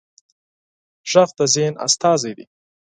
غږ د ذهن استازی دی